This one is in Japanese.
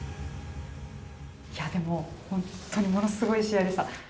いや、でも本当にものすごい試合でした。